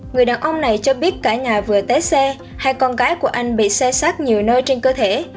người đàn ông này cho biết cả nhà vừa té xe hai con gái của anh bị xe sát nhiều nơi trên cơ thể